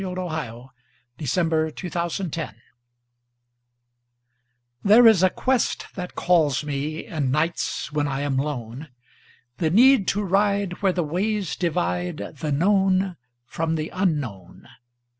Cale Young Rice The Mystic THERE is a quest that calls me, In nights when I am lone, The need to ride where the ways divideThe Known from the Unknown.